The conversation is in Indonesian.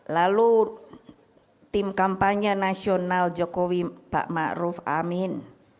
lalu tim kampanye nasional jokowi pak ma'ruf amin